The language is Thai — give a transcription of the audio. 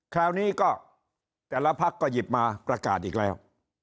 คราวนี้ก็แต่ละพักก็หยิบมาประกาศอีกแล้ว